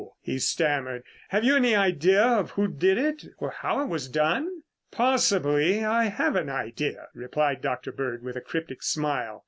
he stammered. "Have you any idea of who did it, or how it was done?" "Possibly I have an idea," replied Dr. Bird with a cryptic smile.